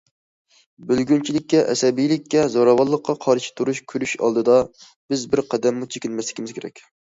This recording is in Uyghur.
بۆلگۈنچىلىككە، ئەسەبىيلىككە، زوراۋانلىققا قارشى تۇرۇش كۈرىشى ئالدىدا، بىز بىر قەدەممۇ چېكىنمەسلىكىمىز كېرەك.